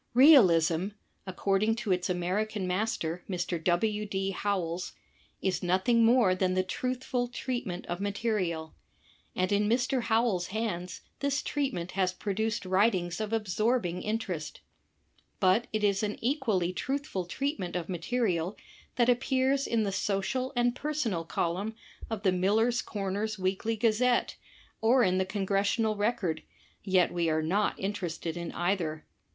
jalism, according to its American master, Mr. W. D. Howells, Js nothing mo jrej^ban the tnithfnl frp^^fn^fint^ of material; and in Mr. Howells* hands this treatment has pro duced writings of absorbing interest. But it is an equally truthful treatment of material that appears in the Social and Personal column of the Miller^s Corners Weekly Gazette^ or in the Congressional Record, yet we are not interested in either.